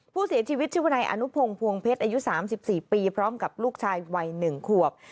ผู้เสียชีวิตชื่อวนายอนุพงศ์ภวงเพชรอายุ๓๔ปีพร้อมกับลูกชายวัย๑ขวบ